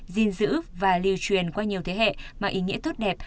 gìn giữ và lưu truyền qua nhiều thế hệ mang ý nghĩa tốt đẹp